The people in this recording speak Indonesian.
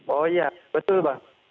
oh iya betul bang